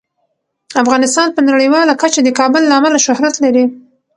افغانستان په نړیواله کچه د کابل له امله شهرت لري.